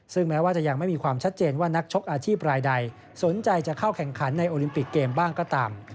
ซึ่งแม้ว่าจะยังไม่มีความชัดเจนว่านักชกอาชีพรายใดสนใจจะเข้าแข่งขันในโอลิมปิกเกมบ้างก็ตาม